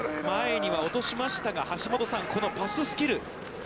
前には落としましたが、橋下さん、このパススキル。